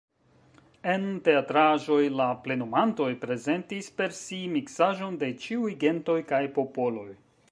En teatraĵoj la plenumantoj prezentis per si miksaĵon de ĉiuj gentoj kaj popoloj.